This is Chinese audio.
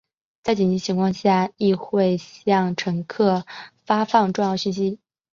在紧急状况时亦会向乘客发放重要讯息。